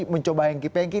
mencoba hengki pengki